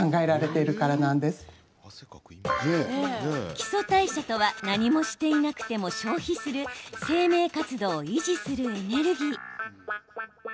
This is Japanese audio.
基礎代謝とは何もしていなくても消費する生命活動を維持するエネルギー。